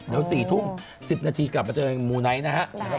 เดี๋ยว๔ทุ่ม๑๐นาทีกลับมาเจอมูไนท์นะครับ